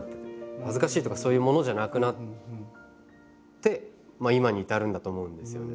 恥ずかしいとかそういうものじゃなくなって今に至るんだと思うんですよね。